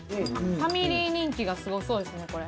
ファミリー人気がすごそうですねこれ。